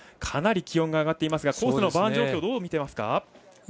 かなり気温が上がっていますがコースのバーン状況どう見ていますか。